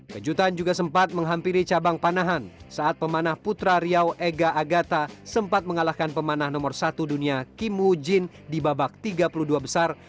kejutan juga sempat menghampiri cabang panahan saat pemanah putra riau ega agata sempat mengalahkan pemanah nomor satu dunia kim woo jin di babak tiga puluh dua besar